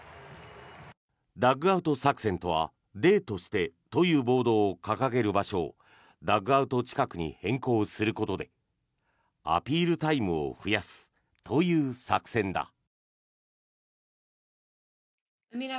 ダッグアウト作戦とは「デートして」というボードを掲げる場所をダッグアウト近くに変更することでアピールタイムを増やすという作戦だ。